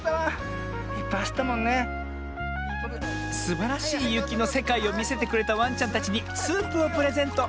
すばらしいゆきのせかいをみせてくれたワンちゃんたちにスープをプレゼント！